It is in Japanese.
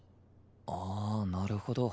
ああーなるほど。